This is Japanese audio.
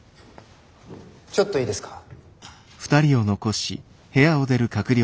ちょっといいですか。